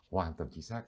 hoàn toàn chính xác